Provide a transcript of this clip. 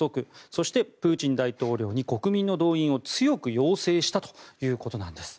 そして、プーチン大統領に国民の動員を強く要請したということなんです。